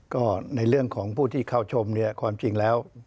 ก็ในเรื่องของผู้ที่เข้าชมเนี่ยความจริงแล้ว